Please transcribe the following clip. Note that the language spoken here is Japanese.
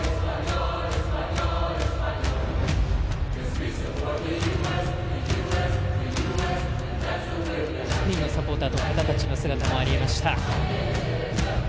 スペインのサポーターの方たちの姿もありました。